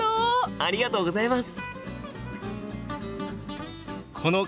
ありがとうございます！